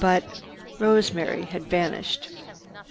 But—" Rosemary had vanished.